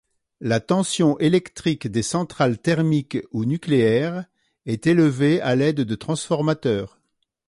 La tension électrique des centrales thermiques ou nucléaires est élevée à l'aide de transformateurs.